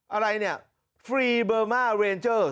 อะไรเนี่ยฟรีเบอร์มาเรนเจอร์